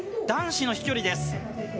男子の飛距離です。